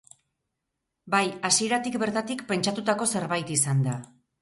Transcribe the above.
Bai, hasieratik bertatik pentsatutako zerbait izan da.